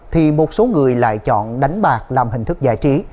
thì một số người lại chọn đánh bạc làm hình thức giải trí